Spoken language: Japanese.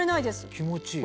気持ちいい。